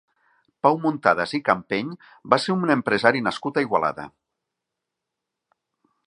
Pau Muntadas i Campeny va ser un empresari nascut a Igualada.